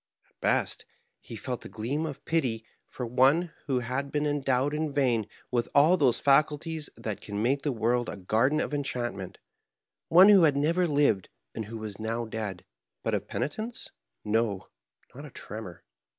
At best, he felt a gleam of pity for one who had been endowed in vain with all those faculties that can make the world a garden of enchantment, one who had never lived and who was now dead. But of peni tence, no, not a tremor.